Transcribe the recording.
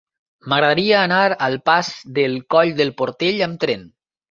M'agradaria anar al pas del Coll del Portell amb tren.